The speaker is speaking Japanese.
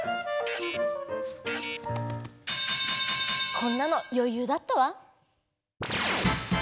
こんなのよゆうだったわ。